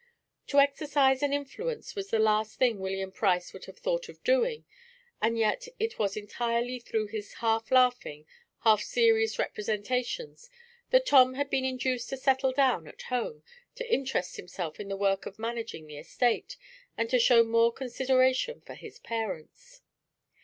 To exercise an influence was the last thing William Price would have thought of doing; and yet it was entirely through his half laughing, half serious representations that Tom had been induced to settle down at home, to interest himself in the work of managing the estate, and to show more consideration for his parents.